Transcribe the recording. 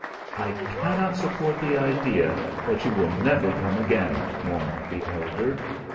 "I cannot support the idea that you will never come again," mourned the elder.